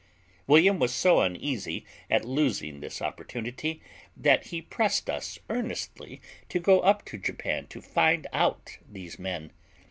William was so uneasy at losing this opportunity, that he pressed us earnestly to go up to Japan to find out these men.